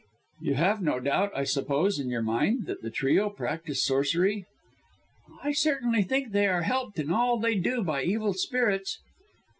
"You have no doubt, I suppose, in your own mind, that the trio practise sorcery?" "I certainly think they are helped in all they do by evil spirits."